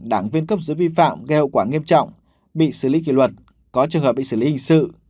đảng viên cấp dưới vi phạm gây hậu quả nghiêm trọng bị xử lý kỷ luật có trường hợp bị xử lý hình sự